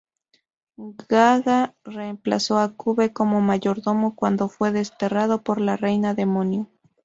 Gaga reemplazó a Cube como mayordomo cuando fue desterrado por la Reina Demonio.